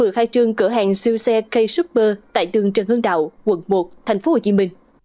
vừa khai trương cửa hàng siêu xe k super tại đường trần hương đạo quận một tp hcm